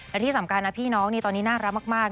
และที่สำคัญนะพี่น้องนี่ตอนนี้น่ารักมาก